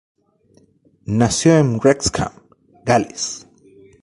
Nació en Wrexham, Gales.